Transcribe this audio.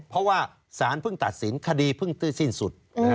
เพราะว่าสารเพิ่งตัดสินคดีเพิ่งสิ้นสุด